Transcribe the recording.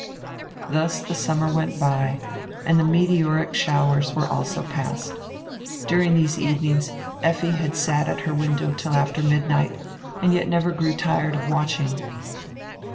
Thus die summer went by and die meteoric showers were also past. During diese evenings Effi had sat at her window till after midnight and yet never grew tired of watching.